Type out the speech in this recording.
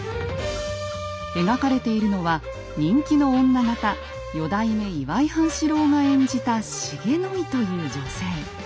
描かれているのは人気の女形四代目岩井半四郎が演じた重の井という女性。